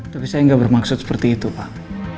tapi saya nggak bermaksud seperti itu pak